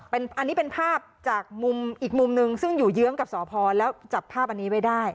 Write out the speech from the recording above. อันนี้เป็นภาพจากมุมอีกมุมนึงซึ่งอยู่เยื้องกับสพแล้วจับภาพอันนี้ไว้ได้